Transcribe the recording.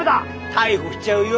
逮捕しちゃうよ。